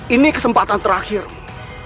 ini kesempatan terakhirmu